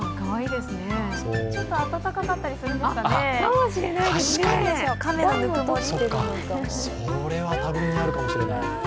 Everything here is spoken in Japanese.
ちょっと温かかったりするんでしょうかね。